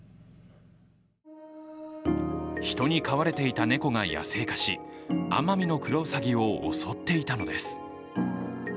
人に飼われていた猫が野生化しアマミノクロウサギを襲っていたのです。